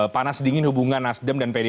panas dingin hubungan nasdem dan pdi